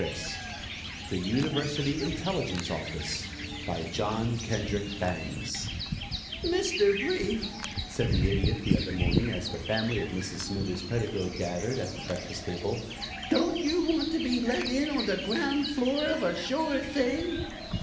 _" THE UNIVERSITY INTELLIGENCE OFFICE BY JOHN KENDRICK BANGS "Mr. Brief," said the Idiot the other morning as the family of Mrs. Smithers Pedagog gathered at the breakfast table, "don't you want to be let in on the ground floor of a sure thing?"